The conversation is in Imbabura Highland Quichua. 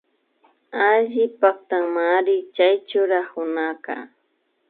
Alli paktamanri chay churakunaka